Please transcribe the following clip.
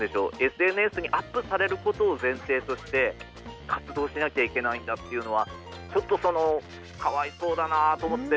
ＳＮＳにアップされることを前提として活動しなきゃいけないんだっていうのはちょっとそのかわいそうだなあと思って。